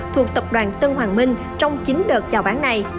thuộc tập đoàn tân hoàng minh trong chín đợt chào bán này